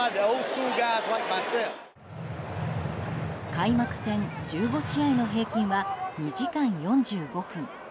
開幕戦１５試合の平均は２時間４５分。